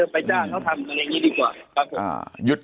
ไปจ้างเขาทำอะไรอย่างนี้ดีกว่าครับผม